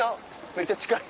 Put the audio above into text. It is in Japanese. めっちゃ近い。